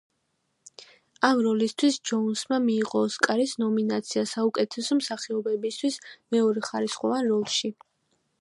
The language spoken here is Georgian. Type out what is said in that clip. ამ როლისთვის ჯოუნსმა მიიღო ოსკარის ნომინაცია საუკეთესო მსახიობისთვის მეორეხარისხოვან როლში.